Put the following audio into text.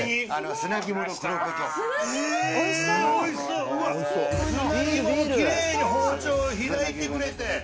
砂肝、きれいに包丁で開いてくれて。